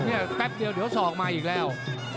น่ะแล้ว